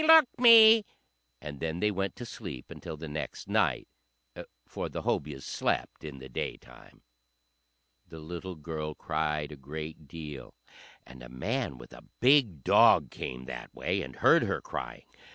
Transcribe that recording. look me!" And then they went to sleep until the next night, for the Hobyahs slept in the daytime. The little girl cried a great deal, and a man with a big dog came that way and heard her crying.